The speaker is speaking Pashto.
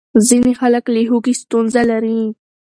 ځینې خلک له هوږې ستونزه لري.